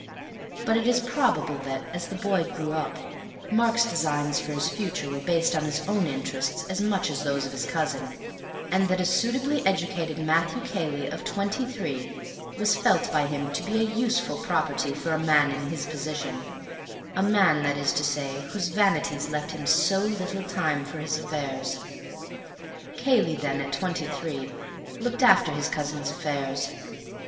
But it is probable that, as the boy grew up, Mark's designs for his future were based on his own interests as much as those of his cousin, and that a suitably educated Matthew Cayley of twenty three was felt by him to be a useful property for a man in his position; a man, that is to say, whose vanities left him so little time for his affairs. Cayley, then, at twenty three, looked after his cousin's affairs.